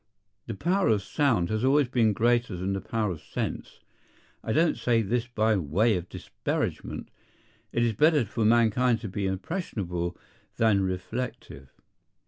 The power of sound has always been greater than the power of sense. I don't say this by way of disparagement. It is better for mankind to be impressionable than reflective.